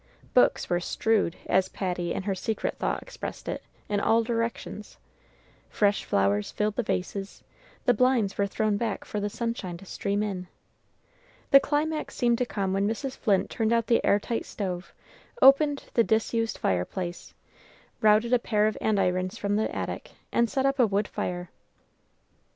Books were "strewed," as Patty in her secret thought expressed it, in all directions; fresh flowers filled the vases; the blinds were thrown back for the sunshine to stream in. The climax seemed to come when Mrs. Flint turned out the air tight stove, opened the disused fireplace, routed a pair of andirons from the attic, and set up a wood fire.